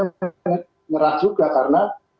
menyerah juga karena